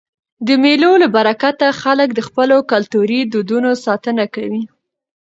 د مېلو له برکته خلک د خپلو کلتوري دودونو ساتنه کوي.